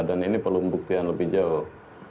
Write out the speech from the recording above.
dan ini perlu membuktikan lebih jauh